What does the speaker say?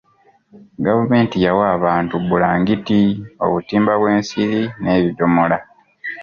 Gavumenti yawa abantu bulangiti, obutimba bw'ensiri n'ebidomola.